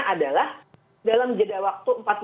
adalah dalam jeda waktu